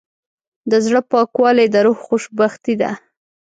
د زړه پاکوالی د روح خوشبختي ده.